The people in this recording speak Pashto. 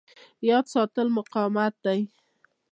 یاد ساتل مقاومت دی.